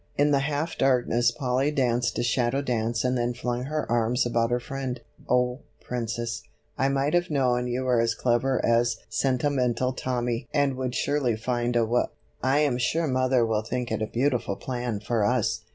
In the half darkness Polly danced a shadow dance and then flung her arms about her friend. "Oh, Princess, I might have known you were as clever as 'Sentimental Tommy' and would surely 'find a wa'. I am sure mother will think it a beautiful plan for us.